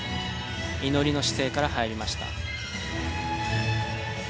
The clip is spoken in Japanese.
祈りの姿勢から入りました。